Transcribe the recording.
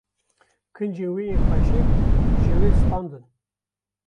Kincên wê yên xweşik ji wê standin